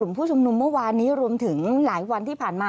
ผู้ชุมนุมเมื่อวานนี้รวมถึงหลายวันที่ผ่านมา